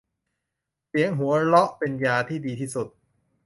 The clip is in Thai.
เสียงหัวเราะเป็นยาที่ดีที่สุด